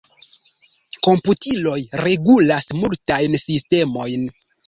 Komputiloj regulas multajn sistemojn.